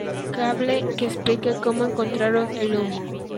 Cable, que explica cómo encontraron el Humo.